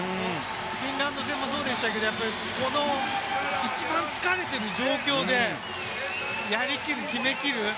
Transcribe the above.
フィンランド戦もそうでしたけれども、この一番疲れている状況でやり切る、決め切る。